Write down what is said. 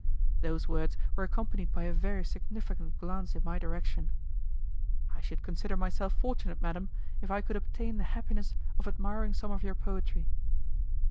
Those words were accompanied by a very significant glance in my direction. "I should consider myself fortunate, madam, if I could obtain the happiness of admiring some of your poetry."